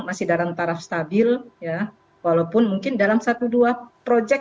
masih dalam taraf stabil ya walaupun mungkin dalam satu dua proyek